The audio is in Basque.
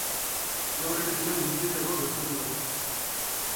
Gaur ere final guztietakoa gertatu da.